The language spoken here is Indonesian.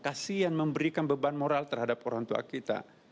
kasian memberikan beban moral terhadap orang tua kita